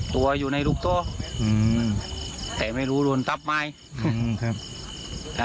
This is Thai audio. ตัวอยู่ในลูกตัวแต่ไม่รู้โดนทับไมค์